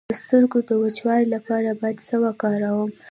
د سترګو د وچوالي لپاره باید څه وکاروم؟